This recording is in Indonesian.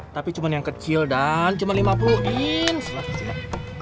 tapi cuman yang kecil dan cuman lima puluh inch